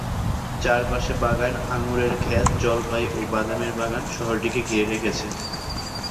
চারপাশে বাগান, আঙুরের ক্ষেত, জলপাই ও বাদামের বাগান শহরটিকে ঘিরে রেখেছে।